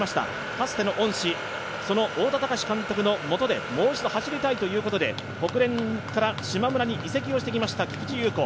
かつての恩師、太田崇監督のもとでもう一度走りたいということで、ホクレンからしまむらに移籍してきました菊地優子。